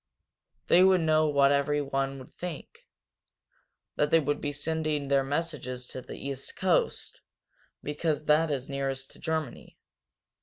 They would know what everyone would think that they would be sending their messages to the East coast, because that is nearest to Germany.